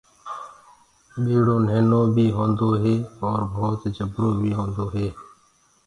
ٻيڙو ننهنو بي هوندو هي اور ڀوت جبرو بي هوندو هي۔